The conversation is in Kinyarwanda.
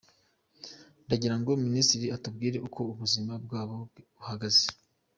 Ndagira ngo Minisitiri atubwire uko ubuzima bwabo buhagaze.